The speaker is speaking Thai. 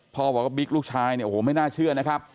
บอกว่าบิ๊กลูกชายเนี่ยโอ้โหไม่น่าเชื่อนะครับ